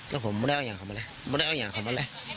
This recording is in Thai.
แล้วผมไม่ได้เอาอย่างเขามาแล้วไม่ได้เอาอย่างเขามาเลย